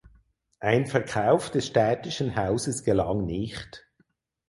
Ein Verkauf des städtischen Hauses gelang nicht.